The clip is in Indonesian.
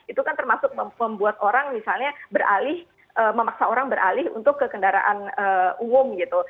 itu kan termasuk membuat orang misalnya beralih memaksa orang beralih untuk ke kendaraan umum gitu